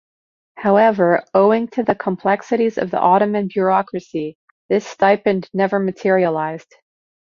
However, owing to the complexities of the Ottoman bureaucracy, this stipend never materialized.